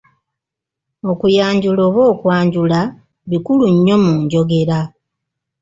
Okuyanjula oba okwanjula bikulu nnyo mu njogera.